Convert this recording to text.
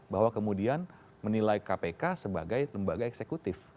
bahwa kemudian menilai kpk sebagai lembaga eksekutif